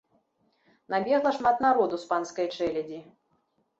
Набегла шмат народу з панскай чэлядзі.